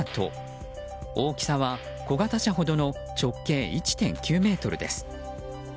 大きさは小型車ほどの直径１．９ｍです。